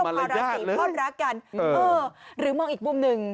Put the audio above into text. สนใจกันหน่อยเล่าต่อ